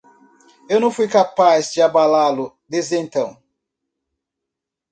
Eu não fui capaz de abalá-lo desde então.